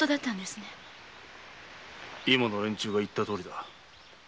今の連中が言ったとおりだ。